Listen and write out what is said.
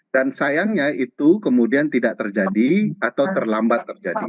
dan sayangnya itu kemudian tidak terjadi atau terlambat terjadi